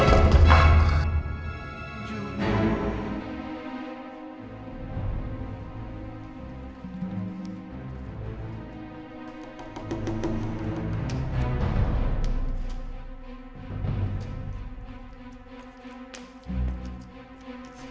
kamu ngigo karena udah tidur lagi dah